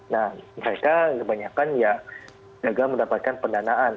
nah mereka kebanyakan ya gagal mendapatkan pendanaan